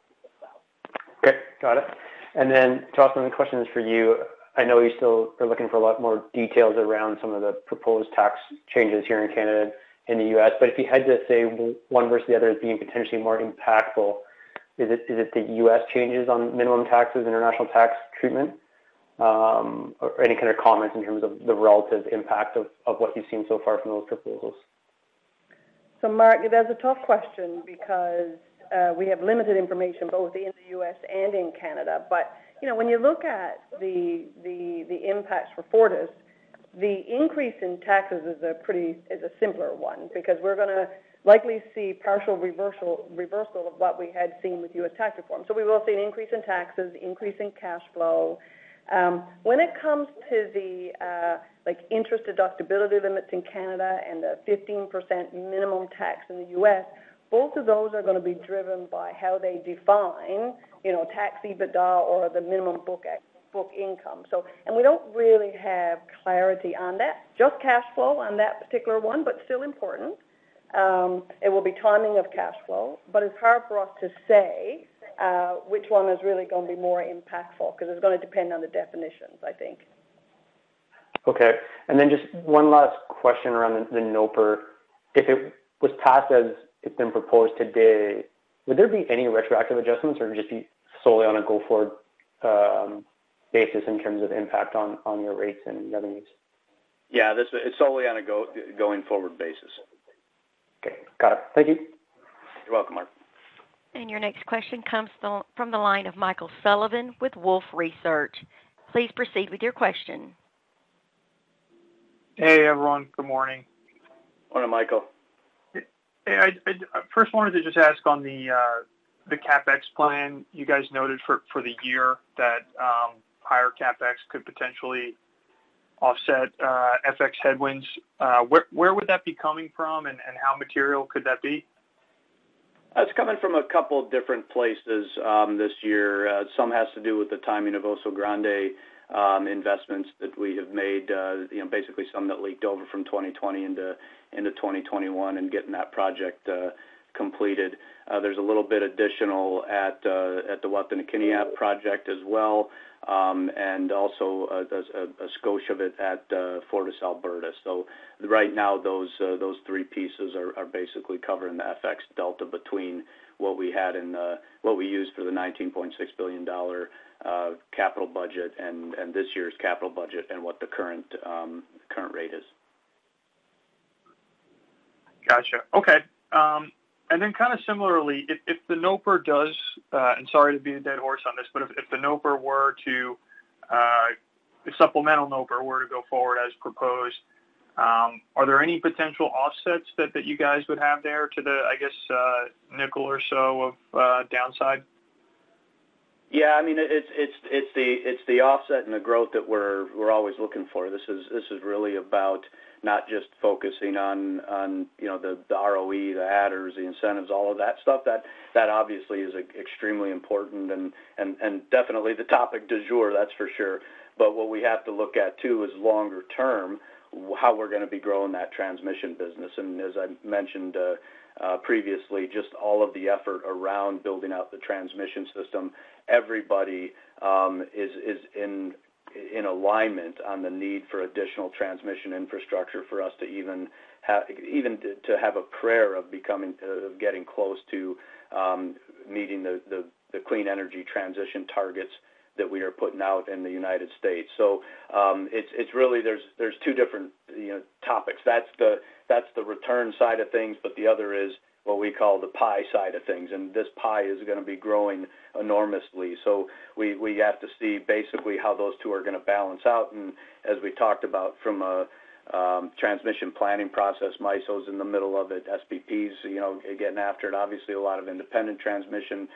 Great, got it. Jocelyn, the question is for you. I know you still are looking for a lot more details around some of the proposed tax changes here in Canada and the U.S., but if you had to say one versus the other as being potentially more impactful, is it the U.S. changes on minimum taxes, international tax treatment? Or any kind of comments in terms of the relative impact of what you've seen so far from those proposals? Mark, that's a tough question because we have limited information both in the U.S. and in Canada. When you look at the impacts for Fortis, the increase in taxes is a simpler one because we're going to likely see partial reversal of what we had seen with U.S. tax reform. We will see an increase in taxes, increase in cash flow. When it comes to the interest deductibility limits in Canada and the 15% minimum tax in the U.S. Both of those are going to be driven by how they define tax EBITDA or the minimum book income. We don't really have clarity on that, just cash flow on that particular one, but still important. It will be timing of cash flow. It's hard for us to say which one is really going to be more impactful, because it's going to depend on the definitions, I think. Okay. Just one last question around the NOPR. If it was passed as it's been proposed today, would there be any retroactive adjustments, or it would just be solely on a go-forward basis in terms of impact on your rates and other needs? Yeah. It's solely on a going-forward basis. Okay. Got it. Thank you. You're welcome, Mark. Your next question comes from the line of Michael Sullivan with Wolfe Research. Please proceed with your question. Hey, everyone. Good morning. Morning, Michael. Hey. I first wanted to just ask on the CapEx plan. You guys noted for the year that higher CapEx could potentially offset FX headwinds. Where would that be coming from, and how material could that be? It's coming from a couple of different places this year. Some has to do with the timing of Oso Grande investments that we have made. Basically, some that leaked over from 2020 into 2021 and getting that project completed. There's a little bit additional at the Wataynikaneyap project as well, and also a scotch of it at FortisAlberta. Right now, those three pieces are basically covering the FX delta between what we used for the 19.6 billion dollar capital budget and this year's capital budget, and what the current rate is. Got you. Okay. Then kind of similarly, if the NOPR does, and sorry to beat a dead horse on this, but if the supplemental NOPR were to go forward as proposed, are there any potential offsets that you guys would have there to the, I guess, CAD 0.05 or so of downside? Yeah. It's the offset and the growth that we're always looking for. This is really about not just focusing on the ROE, the adders, the incentives, all of that stuff. That obviously is extremely important and definitely the topic du jour, that's for sure. What we have to look at too is longer term, how we're going to be growing that transmission business. As I mentioned previously, just all of the effort around building out the transmission system. Everybody is in alignment on the need for additional transmission infrastructure for us to even to have a prayer of getting close to meeting the clean energy transition targets that we are putting out in the U.S. There's two different topics. That's the return side of things, but the other is what we call the pie side of things, and this pie is going to be growing enormously. We have to see basically how those two are going to balance out, and as we talked about from a transmission planning process, MISO's in the middle of it, SPP's getting after it. Obviously, a lot of independent transmission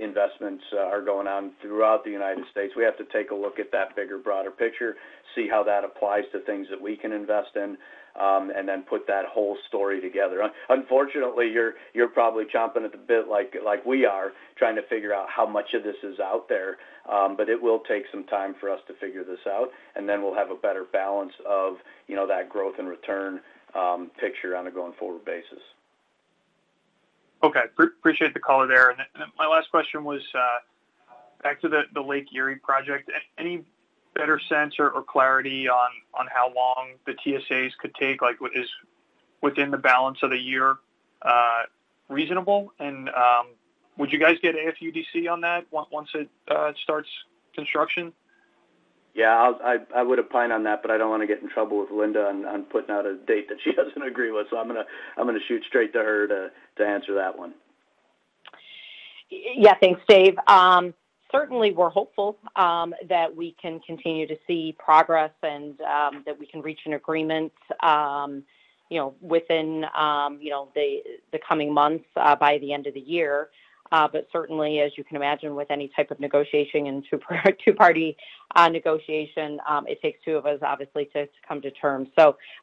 investments are going on throughout the United States. We have to take a look at that bigger, broader picture, see how that applies to things that we can invest in, and then put that whole story together. Unfortunately, you're probably chomping at the bit like we are trying to figure out how much of this is out there. It will take some time for us to figure this out, and then we'll have a better balance of that growth and return picture on a going-forward basis. Okay. Appreciate the color there. My last question was back to the Lake Erie project. Any better sense or clarity on how long the TSAs could take? Like, is within the balance of the year reasonable? Would you guys get AFUDC on that once it starts construction? Yeah, I would opine on that, but I don't want to get in trouble with Linda on putting out a date that she doesn't agree with. I'm going to shoot straight to her to answer that one. Yeah. Thanks, David. Certainly, we're hopeful that we can continue to see progress and that we can reach an agreement within the coming months by the end of the year. Certainly, as you can imagine, with any type of negotiation and two-party negotiation, it takes two of us, obviously, to come to terms.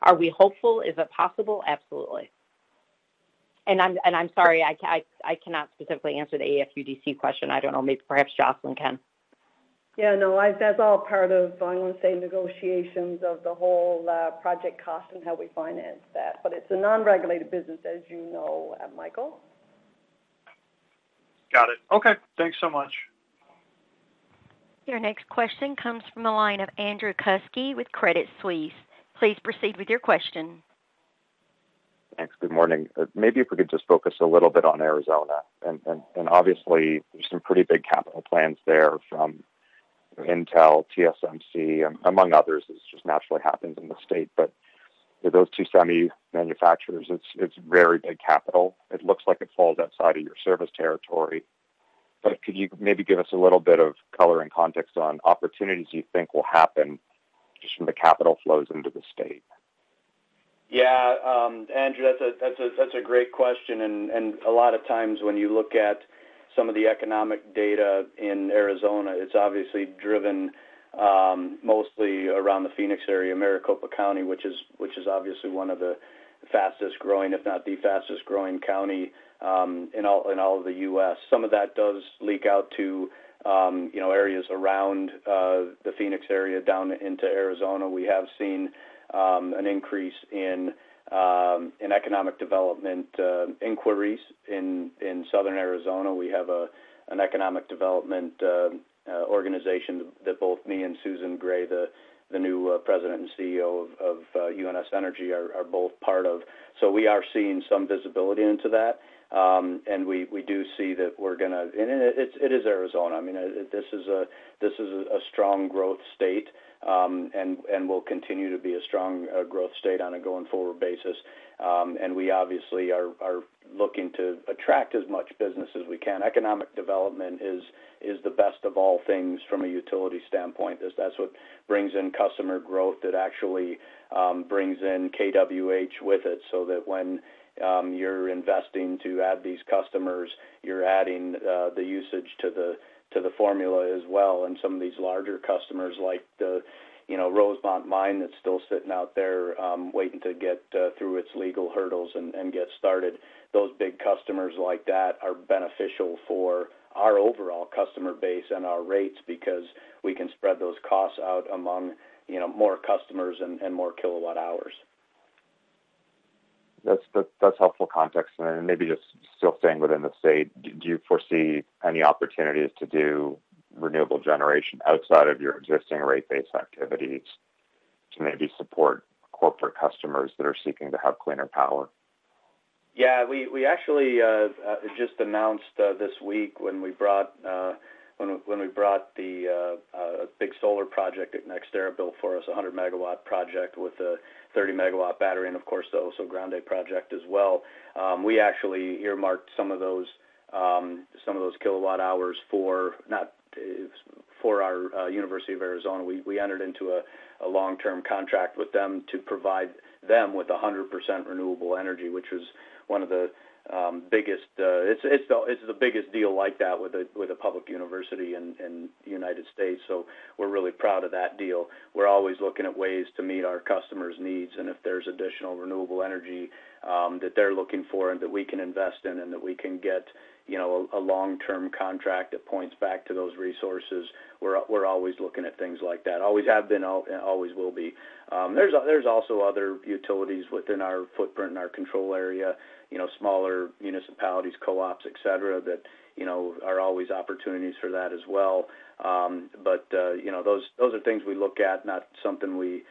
Are we hopeful? Is it possible? Absolutely. I'm sorry, I cannot specifically answer the AFUDC question. I don't know, maybe perhaps Jocelyn can. Yeah, no, that's all part of, I want to say, negotiations of the whole project cost and how we finance that. It's a non-regulated business, as you know, Michael. Got it. Okay. Thanks so much. Your next question comes from the line of Andrew Kuske with Credit Suisse. Please proceed with your question. Thanks. Good morning. Maybe if we could just focus a little bit on Arizona. Obviously, there's some pretty big capital plans there from Intel, TSMC, among others. It just naturally happens in the state. With those two semi manufacturers, it's very big capital. It looks like it falls outside of your service territory. Could you maybe give us a little bit of color and context on opportunities you think will happen just from the capital flows into the state? Andrew, that's a great question. A lot of times when you look at some of the economic data in Arizona, it's obviously driven mostly around the Phoenix area, Maricopa County, which is obviously one of the fastest-growing, if not the fastest-growing county in all of the U.S. Some of that does leak out to areas around the Phoenix area down into Arizona. We have seen an increase in economic development inquiries in Southern Arizona. We have an economic development organization that both me and Susan Gray, the new President and CEO of UNS Energy, are both part of. We are seeing some visibility into that. We do see that we're going to and it is Arizona. This is a strong growth state, will continue to be a strong growth state on a going-forward basis. We obviously are looking to attract as much business as we can. Economic development is the best of all things from a utility standpoint. That's what brings in customer growth, that actually brings in kWh with it, so that when you're investing to add these customers, you're adding the usage to the formula as well. Some of these larger customers, like the Rosemont Mine, that's still sitting out there waiting to get through its legal hurdles and get started. Those big customers like that are beneficial for our overall customer base and our rates, because we can spread those costs out among more customers and more kilowatt hours. That's helpful context. Then maybe just still staying within the state, do you foresee any opportunities to do renewable generation outside of your existing rate base activities to maybe support corporate customers that are seeking to have cleaner power? We actually just announced this week when we brought the big solar project that NextEra built for us, a 100 MW project with a 30 MW battery, and of course, the Oso Grande project as well. We actually earmarked some of those kilowatt hours for our University of Arizona. We entered into a long-term contract with them to provide them with 100% renewable energy, which was It's the biggest deal like that with a public university in the United States, we're really proud of that deal. We're always looking at ways to meet our customers' needs, if there's additional renewable energy that they're looking for that we can invest in, that we can get a long-term contract that points back to those resources, we're always looking at things like that. Always have been, always will be. There's also other utilities within our footprint and our control area, smaller municipalities, co-ops, etc., that are always opportunities for that as well. Those are things we look at, not something we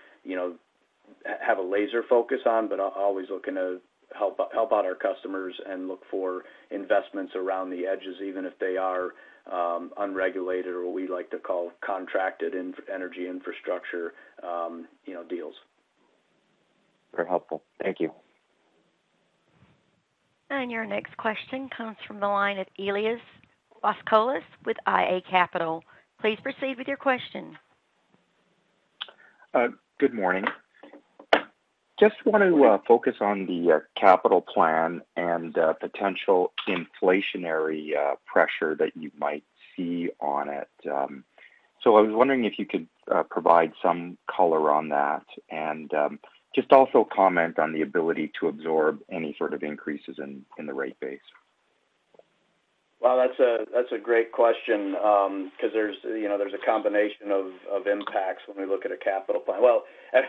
have a laser focus on, but always looking to help out our customers and look for investments around the edges, even if they are unregulated or what we like to call contracted energy infrastructure deals. Very helpful. Thank you. Your next question comes from the line of Elias Foscolos with iA Capital. Please proceed with your question. Good morning. Just want to focus on the capital plan and potential inflationary pressure that you might see on it. I was wondering if you could provide some color on that and just also comment on the ability to absorb any sort of increases in the rate base. Well, that's a great question. There's a combination of impacts when we look at a capital plan. Well,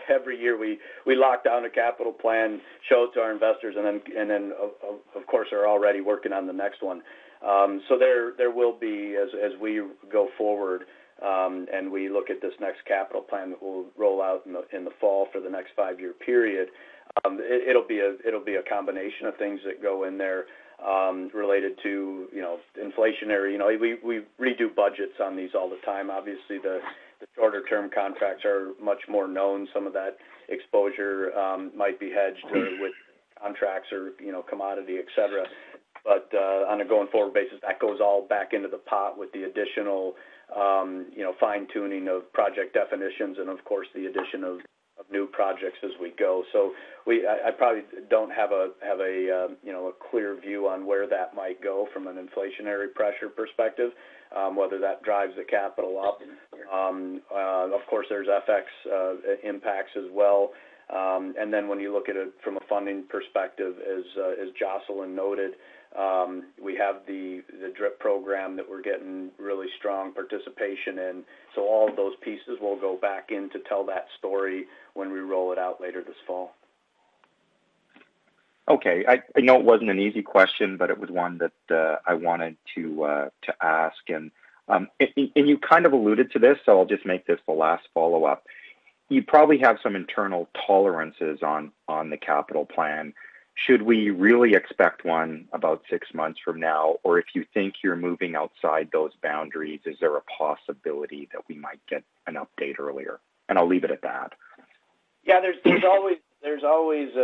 every year we lock down a capital plan, show it to our investors, of course, are already working on the next one. There will be, as we go forward and we look at this next capital plan that we'll roll out in the fall for the next five-year period, it'll be a combination of things that go in there related to inflationary. We redo budgets on these all the time. Obviously, the shorter-term contracts are much more known. Some of that exposure might be hedged with contracts or commodity, etc. On a going-forward basis, that goes all back into the pot with the additional fine-tuning of project definitions and of course, the addition of new projects as we go. I probably don't have a clear view on where that might go from an inflationary pressure perspective, whether that drives the capital up. Of course, there's FX impacts as well. When you look at it from a funding perspective, as Jocelyn noted, we have the DRIP program that we're getting really strong participation in. All of those pieces will go back in to tell that story when we roll it out later this fall. Okay. I know it wasn't an easy question, but it was one that I wanted to ask. You kind of alluded to this, so I'll just make this the last follow-up. You probably have some internal tolerances on the capital plan. Should we really expect one about six months from now? If you think you're moving outside those boundaries, is there a possibility that we might get an update earlier? I'll leave it at that. Yeah. There's always the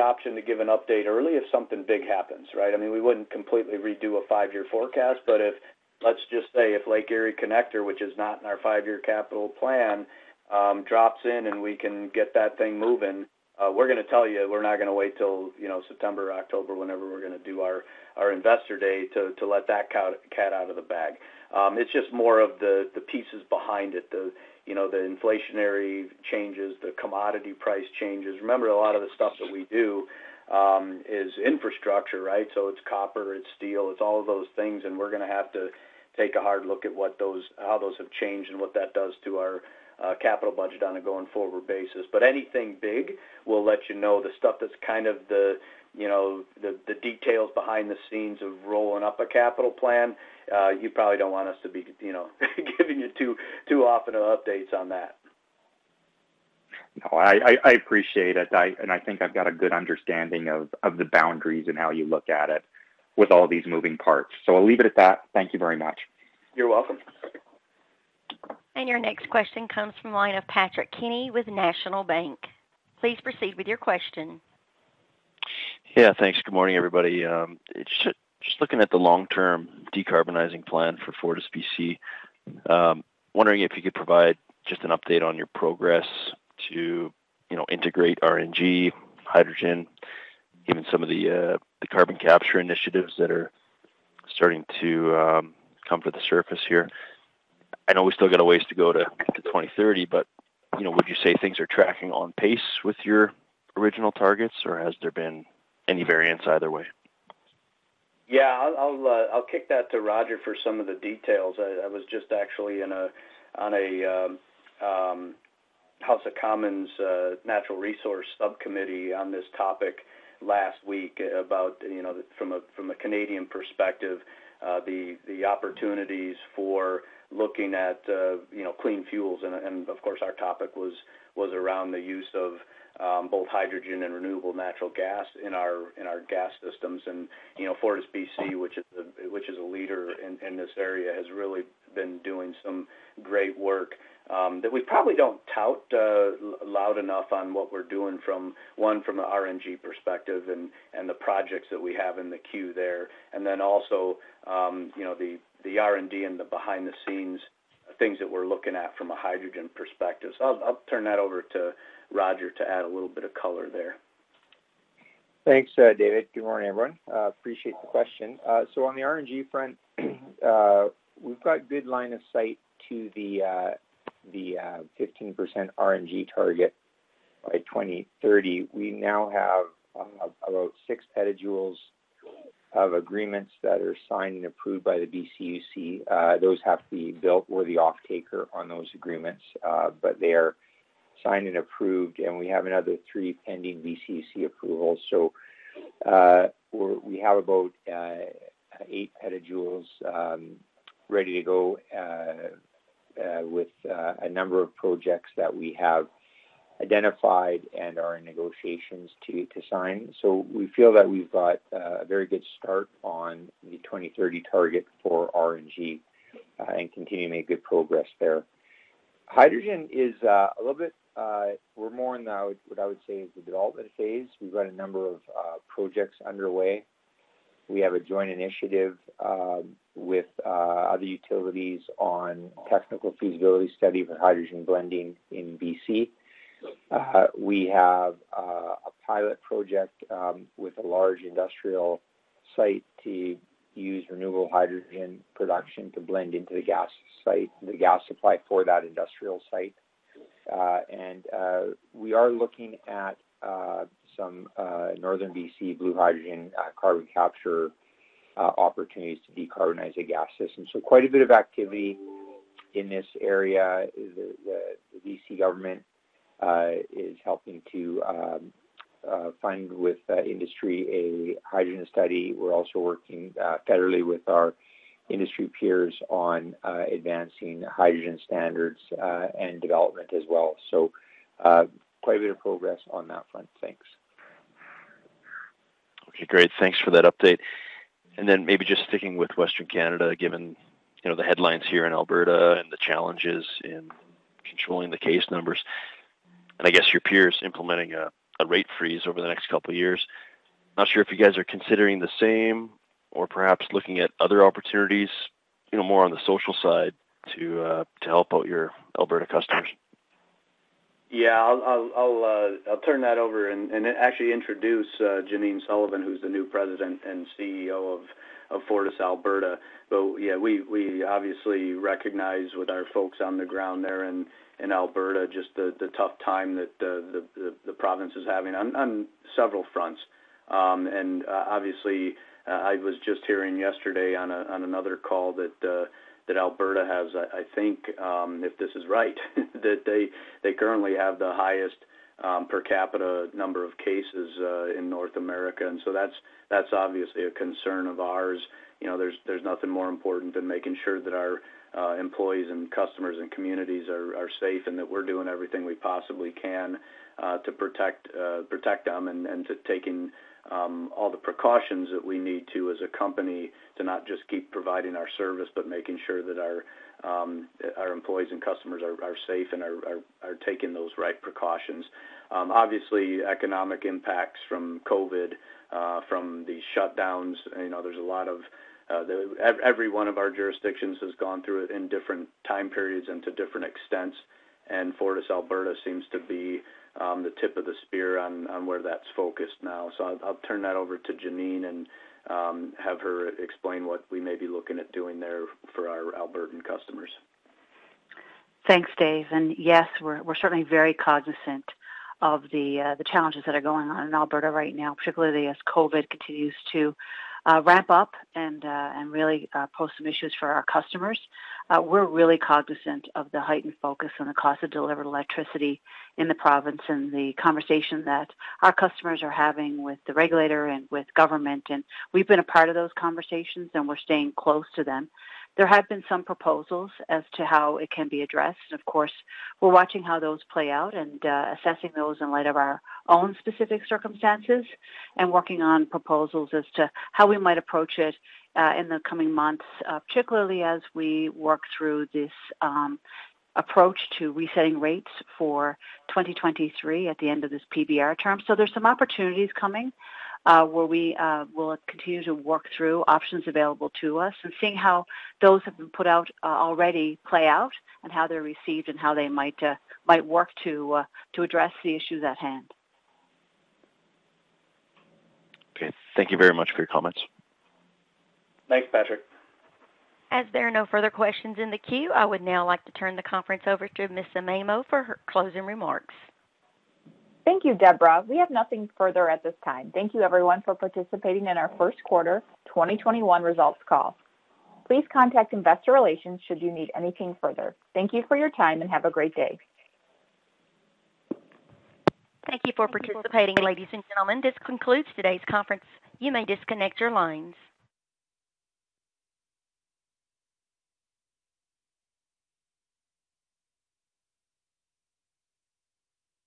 option to give an update early if something big happens, right? We wouldn't completely redo a five-year forecast. If, let's just say, if Lake Erie Connector, which is not in our five-year capital plan, drops in and we can get that thing moving, we're going to tell you. We're not going to wait till September or October, whenever we're going to do our investor day, to let that cat out of the bag. It's just more of the pieces behind it, the inflationary changes, the commodity price changes. Remember, a lot of the stuff that we do is infrastructure, right? It's copper, it's steel, it's all of those things, and we're going to have to take a hard look at how those have changed and what that does to our capital budget on a going-forward basis. Anything big, we'll let you know. The stuff that's kind of the details behind the scenes of rolling up a capital plan, you probably don't want us to be giving you too often updates on that. No, I appreciate it. I think I've got a good understanding of the boundaries and how you look at it with all these moving parts. I'll leave it at that. Thank you very much. You're welcome. Your next question comes from the line of Patrick Kenny with National Bank. Please proceed with your question. Yeah. Thanks. Good morning, everybody. Just looking at the long-term decarbonizing plan for FortisBC. I'm wondering if you could provide just an update on your progress to integrate RNG, hydrogen, even some of the carbon capture initiatives that are starting to come to the surface here. I know we still got a ways to go to 2030. Would you say things are tracking on pace with your original targets, or has there been any variance either way? I'll kick that to Roger for some of the details. I was just actually on a House of Commons Natural Resource subcommittee on this topic last week about, from a Canadian perspective, the opportunities for looking at clean fuels. Of course, our topic was around the use of both hydrogen and renewable natural gas in our gas systems. FortisBC, which is a leader in this area, has really been doing some great work that we probably don't tout loud enough on what we're doing from, one, from a RNG perspective and the projects that we have in the queue there. Also, the R&D and the behind-the-scenes things that we're looking at from a hydrogen perspective. I'll turn that over to Roger to add a little bit of color there. Thanks, David. Good morning, everyone. Appreciate the question. On the RNG front, we've got good line of sight to the 15% RNG target by 2030. We now have about 6 PJ of agreements that are signed and approved by the BCUC. Those have to be built or the offtaker on those agreements, but they are signed and approved, and we have another three pending BCUC approvals. We have about 8 PJ ready to go with a number of projects that we have identified and are in negotiations to sign. We feel that we've got a very good start on the 2030 target for RNG and continue to make good progress there. Hydrogen is a little bit more in the, what I would say, is the development phase. We've got a number of projects underway. We have a joint initiative with other utilities on technical feasibility study for hydrogen blending in BC. We have a pilot project with a large industrial site to use renewable hydrogen production to blend into the gas supply for that industrial site. We are looking at some northern BC blue hydrogen carbon capture opportunities to decarbonize the gas system. Quite a bit of activity in this area. The BC government is helping to fund with industry a hydrogen study. We're also working federally with our industry peers on advancing hydrogen standards and development as well. Quite a bit of progress on that front. Thanks. Okay, great. Thanks for that update. Maybe just sticking with Western Canada, given the headlines here in Alberta and the challenges in controlling the case numbers, and I guess your peers implementing a rate freeze over the next couple of years. Not sure if you guys are considering the same or perhaps looking at other opportunities, more on the social side to help out your Alberta customers. I'll turn that over and actually introduce Janine Sullivan, who's the new president and CEO of FortisAlberta. We obviously recognize with our folks on the ground there in Alberta just the tough time that the province is having on several fronts. Obviously, I was just hearing yesterday on another call that Alberta has, I think, if this is right, that they currently have the highest per capita number of cases in North America. That's obviously a concern of ours. There's nothing more important than making sure that our employees and customers and communities are safe, and that we're doing everything we possibly can to protect them, taking all the precautions that we need to as a company to not just keep providing our service, but making sure that our employees and customers are safe and are taking those right precautions. Obviously, economic impacts from COVID, from the shutdowns. Every one of our jurisdictions has gone through it in different time periods and to different extents, FortisAlberta seems to be the tip of the spear on where that's focused now. I'll turn that over to Janine and have her explain what we may be looking at doing there for our Albertan customers. Thanks, Dave. Yes, we're certainly very cognizant of the challenges that are going on in Alberta right now, particularly as COVID continues to ramp up and really pose some issues for our customers. We're really cognizant of the heightened focus on the cost of delivered electricity in the province and the conversation that our customers are having with the regulator and with government, and we've been a part of those conversations, and we're staying close to them. There have been some proposals as to how it can be addressed, and of course, we're watching how those play out and assessing those in light of our own specific circumstances and working on proposals as to how we might approach it in the coming months. Particularly as we work through this approach to resetting rates for 2023 at the end of this PBR term. There's some opportunities coming, where we will continue to work through options available to us and seeing how those have been put out already play out and how they're received and how they might work to address the issues at hand. Okay. Thank you very much for your comments. Thanks, Patrick. As there are no further questions in the queue, I would now like to turn the conference over to Ms. Amaimo for her closing remarks. Thank you, Deborah. We have nothing further at this time. Thank you everyone for participating in our first quarter 2021 results call. Please contact investor relations should you need anything further. Thank you for your time, have a great day. Thank you for participating, ladies and gentlemen. This concludes today's conference. You may disconnect your lines.